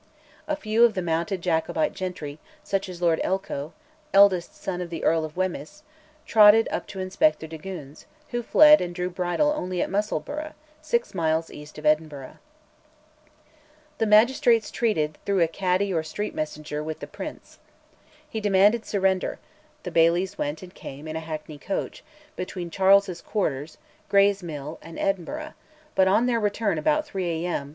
A few of the mounted Jacobite gentry, such as Lord Elcho, eldest son of the Earl of Wemyss, trotted up to inspect the dragoons, who fled and drew bridle only at Musselburgh, six miles east of Edinburgh. The magistrates treated through a caddie or street messenger with the Prince. He demanded surrender, the bailies went and came, in a hackney coach, between Charles's quarters, Gray's Mill, and Edinburgh, but on their return about 3 A.M.